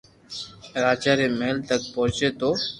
راجا ري مھل تڪ پوچي تو